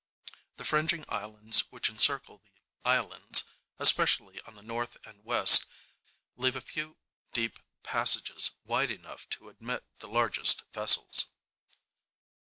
The fringing islands which encircle the islands, especially on the north and west, leave a few deep passages wide enough to admit the largest vessels.